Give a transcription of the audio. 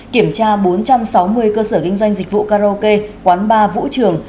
kiểm tra bốn trăm sáu mươi cơ sở kinh doanh dịch vụ karaoke quán bar vũ trường